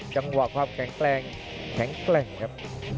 ความแข็งแกร่งแข็งแกร่งครับ